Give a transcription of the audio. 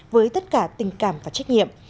với tất cả tình cảm và trách nhiệm